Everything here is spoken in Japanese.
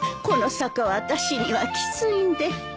この坂は私にはきついんで。